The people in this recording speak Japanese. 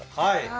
はい！